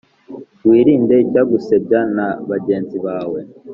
wirinde icyagusebya na bagenzi bawe